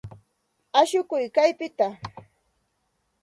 Ashukuy kaypita.